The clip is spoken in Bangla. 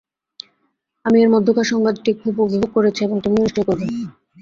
আমি এর মধ্যেকার সংবাদটি খুব উপভোগ করেছি এবং তুমিও নিশ্চয়ই করবে।